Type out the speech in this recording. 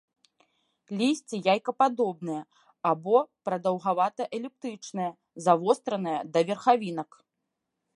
Лісце яйкападобнае або прадаўгавата-эліптычнае, завостранае да верхавінак.